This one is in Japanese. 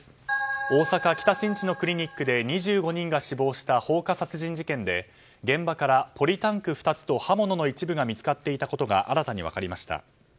大阪・北新地のクリニックで２５人が死亡した放火殺人事件で現場からポリタンク２つと刃物の一部が見つかっていたことが新たに分かりました。